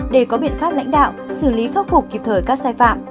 để có biện pháp lãnh đạo xử lý khắc phục kịp thời các sai phạm